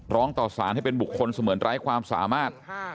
ร้องต่อสารให้เป็นบุคคลเสมือนไร้ความสามารถ